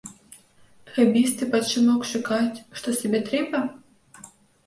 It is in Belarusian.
Гэбісты пад шумок шукаюць, што сабе трэба?